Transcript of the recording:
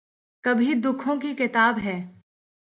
کبھی دکھوں کی کتاب ہے